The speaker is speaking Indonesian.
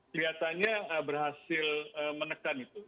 kelihatannya berhasil menekan itu